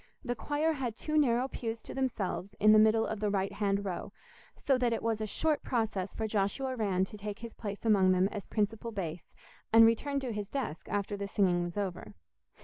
The choir had two narrow pews to themselves in the middle of the right hand row, so that it was a short process for Joshua Rann to take his place among them as principal bass, and return to his desk after the singing was over.